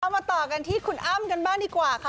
มาต่อกันที่คุณอ้ำกันบ้างดีกว่าค่ะ